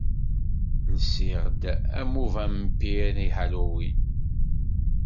Lsiɣ-d am uvampir i Halloween.